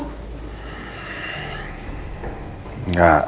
ya aku udah berantem sama adik aku